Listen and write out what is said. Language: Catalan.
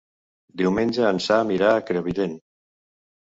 Diumenge en Sam irà a Crevillent.